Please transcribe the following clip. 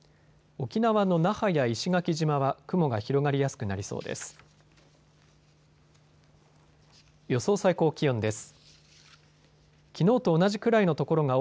沖縄の那覇や石垣島は雲が広がりやすくなりそうです。